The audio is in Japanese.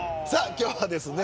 今日はですね